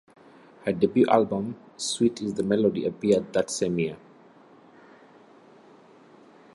Her debut album "Sweet is the Melody" appeared that same year.